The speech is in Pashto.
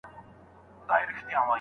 په اسلام کي حلال او حرام معلوم دي.